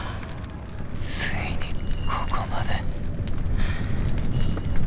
ついにここまで。